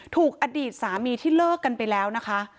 ถูกอดีตสามีที่เลิกกันไปแล้วนะคะ